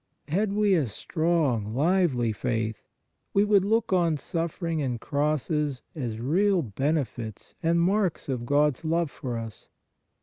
Had we a strong, lively faith, we would look on suffering and crosses as real benefits and marks of God s love for us.